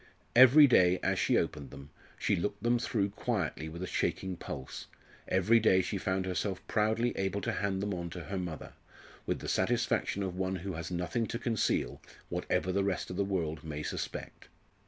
Every day, as she opened them, she looked them through quietly with a shaking pulse; every day she found herself proudly able to hand them on to her mother, with the satisfaction of one who has nothing to conceal, whatever the rest of the world may suspect.